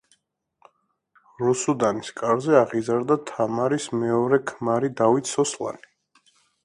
რუსუდანის კარზე აღიზარდა თამარის მეორე ქმარი დავით სოსლანი.